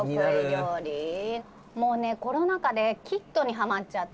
「もうねコロナ禍でキットにハマっちゃって」